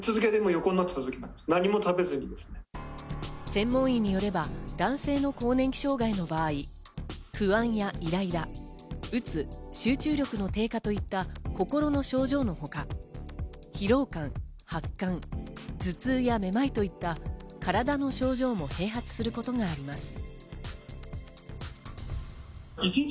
専門医によれば、男性の更年期障害の場合、不安やイライラ、うつ、集中力の低下といった心の症状のほか、疲労感、発汗、頭痛やめまいといった体の症状も併発することがあります。